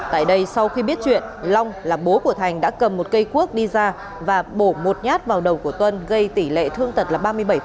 tại đây sau khi biết chuyện long là bố của thành đã cầm một cây cuốc đi ra và bổ một nhát vào đầu của tuân gây tỷ lệ thương tật là ba mươi bảy